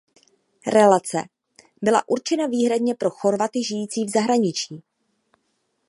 Relace byla určena výhradně pro Chorvaty žijící v zahraničí.